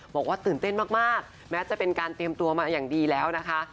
บอกว่าตื่นเต้นมากแม้จะเป็นการเตรียมตัวมาอย่างดีแล้วนะคะ